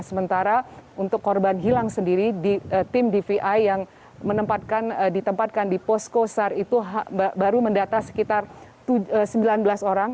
sementara untuk korban hilang sendiri tim dvi yang ditempatkan di poskosar itu baru mendata sekitar sembilan belas orang